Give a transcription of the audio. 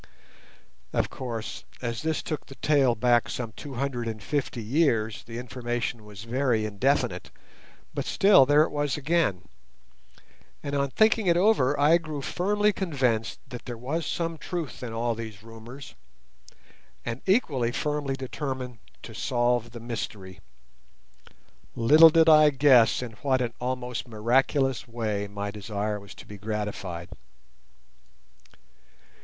Of course, as this took the tale back some two hundred and fifty years, the information was very indefinite; but still there it was again, and on thinking it over I grew firmly convinced that there was some truth in all these rumours, and equally firmly determined to solve the mystery. Little did I guess in what an almost miraculous way my desire was to be gratified.